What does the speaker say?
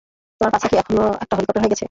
তোমার পাছা কি এখন একটা হেলিকপ্টার হয়ে গেছে?